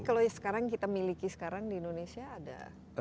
jadi yang kita miliki sekarang di indonesia ada